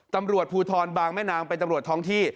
ตำรวจภูทรบางแม่นางเป็นตำรวจท้องที่